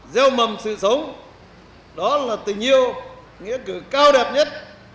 gieo mầm sự sống đó là tình yêu nghĩa cử cao đẹp nhất